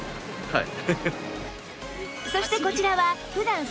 はい。